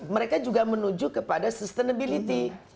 mereka juga menuju kepada sustainability